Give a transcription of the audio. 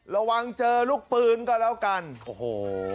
ระวังเจอลูกปืนก็แล้วกันโอ้โห